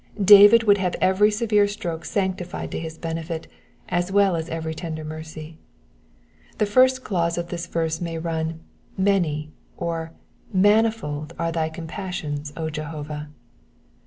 David would have every severe stroke sanctified to his benefit, as well as every tender mercy. The first clause of this verse may run, *'Many,'' or, "manifold are thy compas sions, O Jehovah.